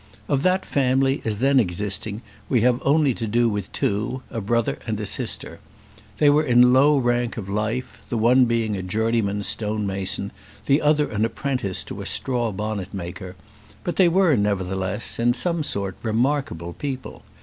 Of that family, as then existing, we have only to do with two, a brother and a sister. They were in a low rank of life, the one being a journeyman stone mason, and the other an apprentice to a straw bonnet maker; but they were, nevertheless, in some sort remarkable people.